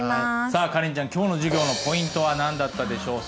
さあカレンちゃん今日の授業のポイントは何だったでしょう？